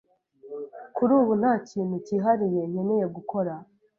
Kuri ubu nta kintu cyihariye nkeneye gukora.